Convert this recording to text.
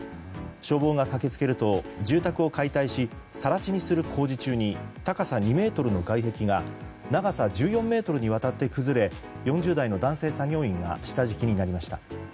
消防が駆け付けると住宅を解体し更地にする工事中に高さ２ｍの外壁が長さ１４ｍにわたって崩れ４０代の男性作業員が下敷きになりました。